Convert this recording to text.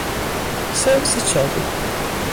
سرویس چاقو